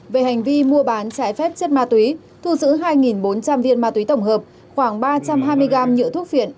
về hành vi mua bán trải phép chất ma tuy thu giữ hai bốn trăm linh viên ma tuy tổng hợp khoảng ba trăm hai mươi gram nhựa thuốc phiện